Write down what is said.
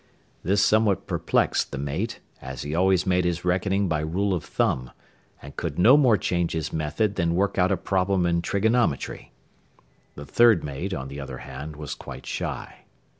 This somewhat perplexed the mate, as he always made his reckoning by rule of thumb, and could no more change his method than work out a problem in trigonometry. The third mate, on the other hand, was quite shy.